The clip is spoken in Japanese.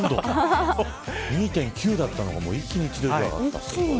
２．９だったのが一気に１度以上上がった。